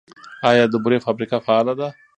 آیا د بورې فابریکه فعاله ده؟